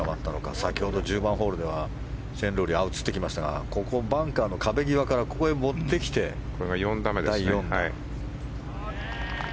先ほど１０番ホールではシェーン・ロウリー映ってきましたがここ、バンカーの壁際からここへ持ってきて第４打。